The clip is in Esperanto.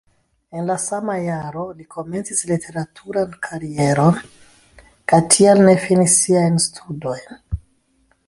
En la sama jaro li komencis literaturan karieron kaj tial ne finis siajn studojn.